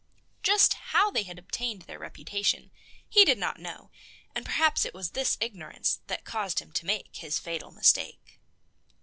Just how they had obtained their reputation he did not know, and perhaps it was this ignorance that caused him to make his fatal mistake.